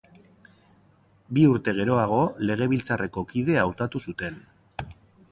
Bi urte geroago Legebiltzarreko kide hautatu zuten.